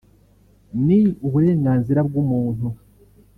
ni uburenganzira bw’umuntu